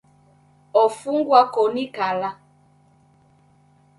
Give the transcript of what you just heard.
Ofungwa koni kala.